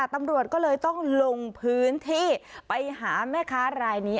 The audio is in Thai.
ตำรวจก็เลยต้องลงพื้นที่ไปหาแม่ค้ารายนี้